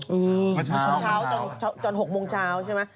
เมื่อเช้าจน๖โมงเช้าใช่ไหม